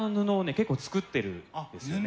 結構作ってるんですよね。